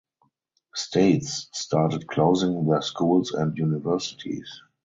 States started closing their schools and universities.